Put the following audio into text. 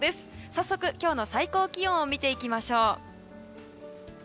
早速、今日の最高気温を見ていきましょう。